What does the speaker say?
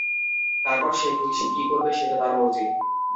তারপর সে কী করবে সেটা তার মর্জি।